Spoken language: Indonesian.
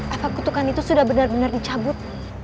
apa kutukan itu sudah benar benar dicabut